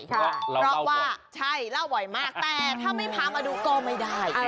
เพราะว่าใช่เล่าบ่อยมากแต่ถ้าไม่พามาดูก็ไม่ได้